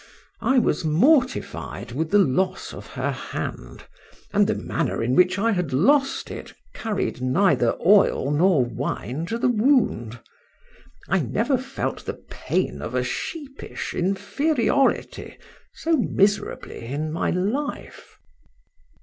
—I was mortified with the loss of her hand, and the manner in which I had lost it carried neither oil nor wine to the wound: I never felt the pain of a sheepish inferiority so miserably in my life.